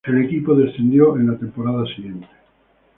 El equipo descendió en la temporada siguiente.